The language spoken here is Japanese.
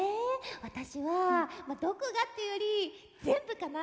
私はどこがっていうより全部かな。